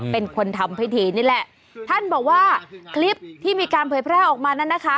เป็นคนทำพิธีนี่แหละท่านบอกว่าคลิปที่มีการเผยแพร่ออกมานั้นนะคะ